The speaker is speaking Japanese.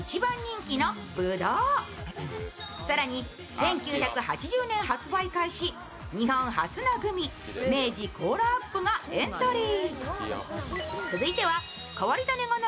１９８０年発売開始、日本初のグミ明治コーラアップがエントリー。